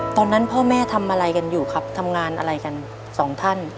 ตอนนั้นพ่อแม่ทำอะไรกันอยู่ครับทำงานอะไรกันสองท่าน